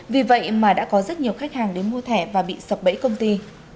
vì vậy mà đã có rất nhiều khách hàng đến mua thẻ và bị sập bẫy công ty